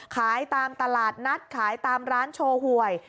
ขายตามตลาดนัดขายตามร้านโชว์หวย